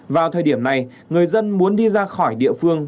vào thời điểm này người dân muốn đi ra khỏi địa phương